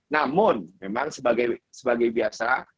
namun memang sebagai biasa